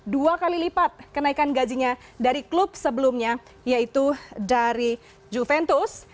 dua kali lipat kenaikan gajinya dari klub sebelumnya yaitu dari juventus